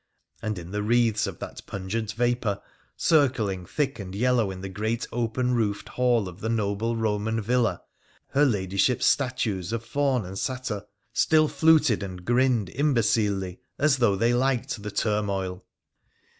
And in the wreaths of that pungent vapour, circling thick and yellow in the great open roofed hall of the noble Boman villa, her Ladyship's statues of faun and satyr still fluted and grinned imbecilely as though they liked the turmoil.